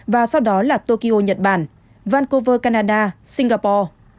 và sau đó là tokyo nhật bản vancov canada singapore